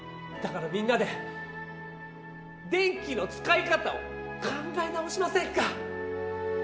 だからみんなで電気の使い方を考え直しませんか？